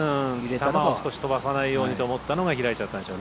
球を少し飛ばさないようにと思ったのが開いちゃった。